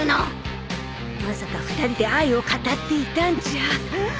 まさか２人で愛を語っていたんじゃ